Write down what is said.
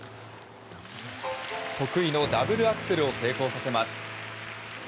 得意のダブルアクセルを成功させます。